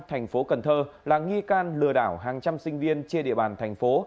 thành phố cần thơ là nghi can lừa đảo hàng trăm sinh viên trên địa bàn thành phố